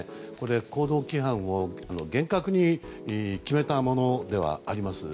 行動規範を厳格に決めたものではあります。